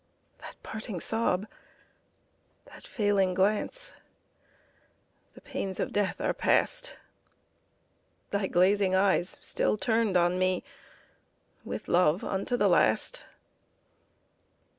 That parting sob, that failing glance The pains of death are past! Thy glazing eyes still turned on me With love unto the last!